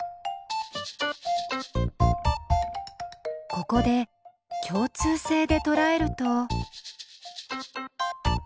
ここで共通性でとらえると。